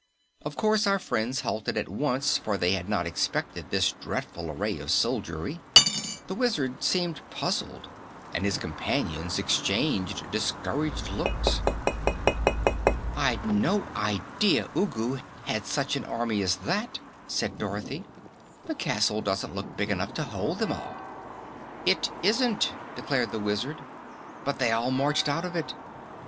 Of course, our friends halted at once, for they had not expected this dreadful array of soldiery. The Wizard seemed puzzled, and his companions exchanged discouraged looks. "I'd no idea Ugu had such an army as that," said Dorothy. "The castle doesn't look big enough to hold them all." "It isn't," declared the Wizard. "But they all marched out of it."